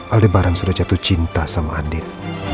aldebaran sudah jatuh cinta sama andir